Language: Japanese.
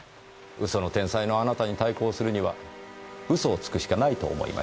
嘘の天才のあなたに対抗するには嘘をつくしかないと思いまして。